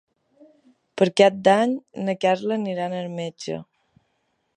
Per Cap d'Any na Carla anirà al metge.